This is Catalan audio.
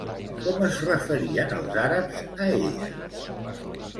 Com es referien els àrabs a ella?